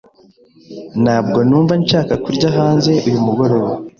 Ntabwo numva nshaka kurya hanze uyu mugoroba.